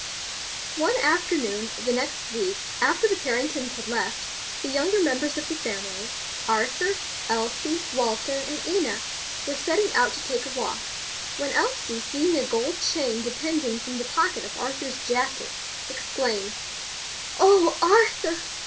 One afternoon, the next week after the Carringtons had left, the younger members of the family, Arthur, Elsie, Walter and Enna, were setting out to take a walk, when Elsie, seeing a gold chain depending from the pocket of Arthur's jacket, exclaimed: "O Arthur!